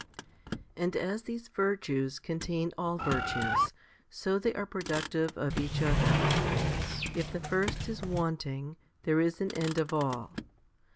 9. And as these virtues contain all virtues, so they are productive of each other. If the first is wanting, there is an end of all.